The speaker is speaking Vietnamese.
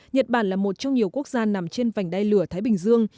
nhật bản là một trong nhiều quốc gia nằm trên vành đai lửa thái bình dương